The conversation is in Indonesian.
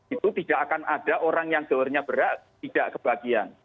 itu tidak akan ada orang yang gelarnya berat tidak kebagian